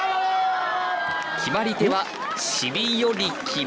決まり手は尻寄り切り。